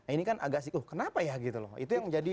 ini kan agak sih oh kenapa ya gitu loh itu yang jadi